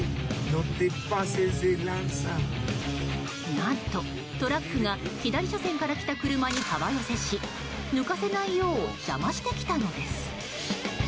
何と、トラックが左車線から来た車に幅寄せし抜かせないよう邪魔してきたのです。